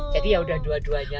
jadi ya udah dua duanya